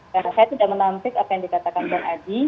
saya tidak menampilkan apa yang dikatakan bang adi